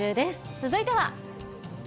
続いては。